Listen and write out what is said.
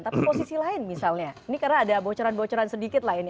tapi posisi lain misalnya ini karena ada bocoran bocoran sedikit lah ini